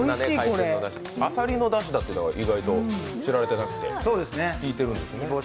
あさりのダシダというのは意外と知られていなくて、効いてるんですね。